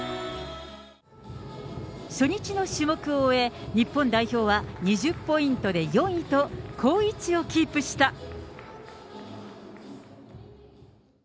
初日の種目を終え、日本代表は２０ポイントで４位と、好位置をキープした。